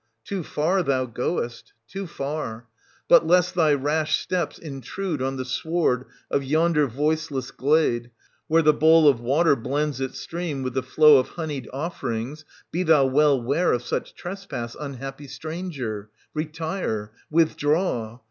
Too far thou goest — too far ! But, lest thy rash steps intrude on the sward of yonder voiceless glade, where the bowl of water blends its stream with the flow of honied offerings, (be thou well ware of 160 such trespass, unhappy stranger,) — retire, — withdraw